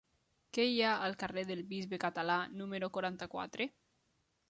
Què hi ha al carrer del Bisbe Català número quaranta-quatre?